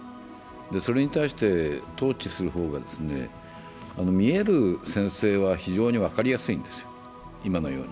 それに対して、統治する方が見える専制は非常に分かりやすいんです、今のように。